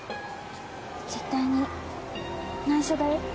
絶対に内緒だよ？